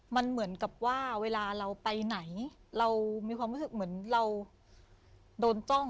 มันเหมือนกับว่าเวลาเราไปไหนเรามีความรู้สึกเหมือนเราโดนจ้อง